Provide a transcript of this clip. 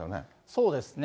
そうですね。